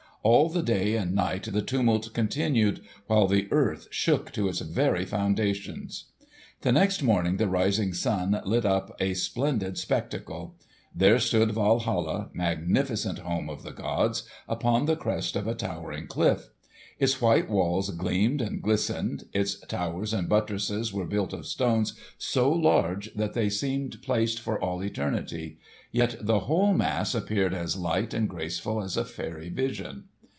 All that day and night the tumult continued, while the earth shook to its very foundations. The next morning the rising sun lit up a splendid spectacle. There stood Walhalla, magnificent home of the gods, upon the crest of a towering cliff. Its white walls gleamed and glistened. Its towers and buttresses were built of stones so large that they seemed placed for all eternity; yet the whole mass appeared as light and graceful as a fairy vision.